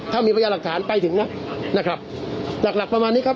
ถ้ามีพยาหลักฐานไปถึงนะนะครับหลักหลักประมาณนี้ครับ